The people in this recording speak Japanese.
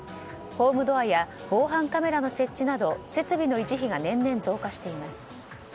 ホームドアや防犯カメラの設置など設備の維持費が年々増加しています。